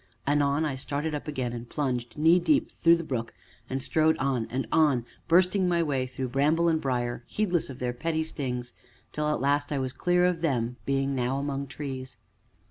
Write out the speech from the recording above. Anon I started up again, and plunged, knee deep, through the brook, and strode on and on, bursting my way through bramble and briar, heedless of their petty stings, till at last I was clear of them, being now among trees.